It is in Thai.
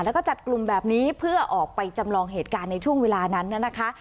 แล้วก็จัดกลุ่มแบบนี้เพื่อออกไปจำลองเหตุการณ์ในช่วงเวลานั้นนะคะ